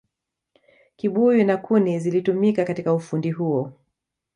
kibuyu na kuni zilitumika katika ufundi huo